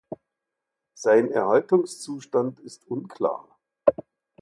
Sein Erhaltungszustand ist unklar.